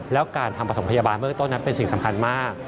แล้วการทำประถมพยาบาลเบื้องต้นนั้นเป็นสิ่งสำคัญมาก